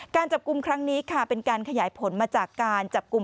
การจับกลุ่มครั้งนี้ค่ะเป็นการขยายผลมาจากการจับกลุ่ม